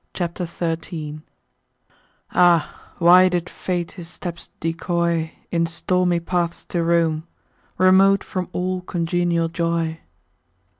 CHAPTER XIII Ah why did Fate his steps decoy In stormy paths to roam, Remote from all congenial joy!